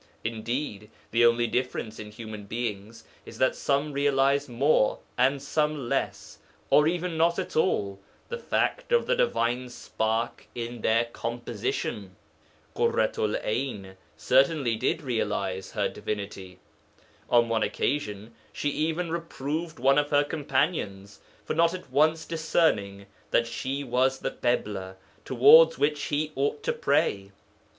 Indeed, the only difference in human beings is that some realize more, and some less, or even not at all, the fact of the divine spark in their composition. Ḳurratu'l 'Ayn certainly did realize her divinity. On one occasion she even reproved one of her companions for not at once discerning that she was the Ḳibla towards which he ought to pray.